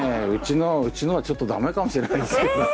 うちのはちょっとだめかもしれないです。